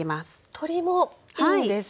鶏もいいんですね。